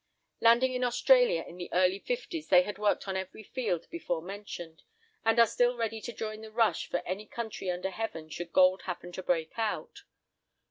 Landing in Australia in the early fifties, they had worked on every field before mentioned, and are still ready to join the rush for any country under heaven should gold happen to "break out."